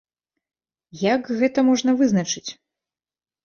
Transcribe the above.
Як гэта можна вызначыць?